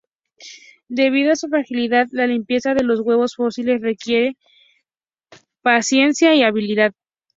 Debido a su fragilidad la limpieza de los huevos fósiles requiere paciencia y habilidad.